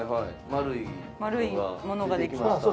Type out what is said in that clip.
丸いものができました。